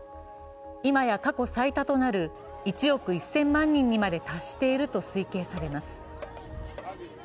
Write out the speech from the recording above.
いまや過去最多となる１億１０００万人にまで達していると推計されます。